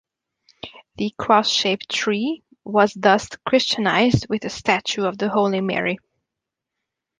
The cross-shaped tree was thus "Christianized" with a statue of the Holy Mary.